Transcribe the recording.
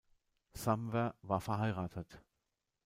Samwer war verheiratet.